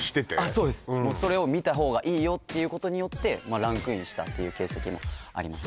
そうですそれを見た方がいいよっていうことによってランクインしたっていう形跡もあります